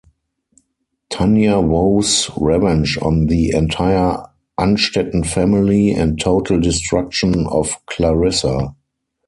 Tanja vows revenge on the entire Anstetten family and total destruction of Clarissa.